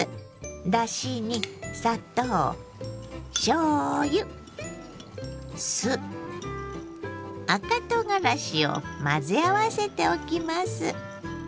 だしに砂糖しょうゆ酢赤とうがらしを混ぜ合わせておきます。